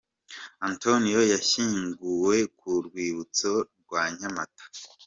Antonio yashyinguwe ku rwibutso rwa Nyamata.